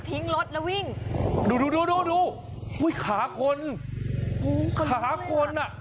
ทิ้งรถแล้ววิ่งดูดูดูดูดูดูอุ้ยขาคนขาคนอ่ะ